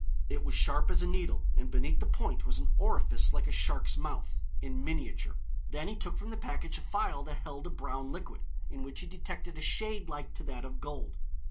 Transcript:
It was sharp as a needle, and beneath the point was an orifice like a shark's mouth, in miniature. Then he took from the package a phial that held a brown liquid, in which he detected a shade like to that of gold.